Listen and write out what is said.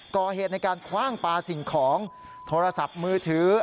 ก่อเหตุในการคว่างปลาสิ่งของโทรศัพท์มือถือ